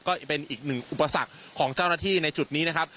ก็เป็นอีกหนึ่งอุปสรรคของเจ้าหน้าที่ในจุดนี้นะครับ